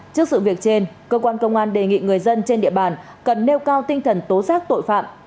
trước sự việc trên cơ quan công an đề nghị người dân trên địa bàn cần nêu cao tinh thần tố giác tội phạm